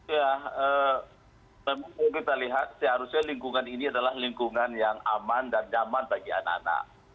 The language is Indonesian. ya memang kalau kita lihat seharusnya lingkungan ini adalah lingkungan yang aman dan nyaman bagi anak anak